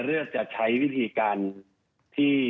เลือกจะใช้วิธีการที่